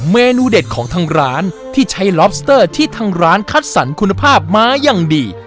เมนูเด็ดของทางร้านที่ใช้ลอบสเตอร์ที่ทางร้านคัดสรรคุณภาพมาอย่างดี